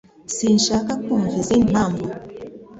Sinshaka kumva izindi mpamvu